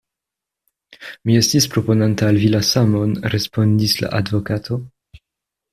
Mi estis propononta al vi la samon, respondis la advokato.